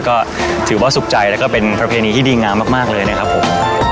ก็ถือว่าสุขใจแล้วก็เป็นประเพณีที่ดีงามมากเลยนะครับผม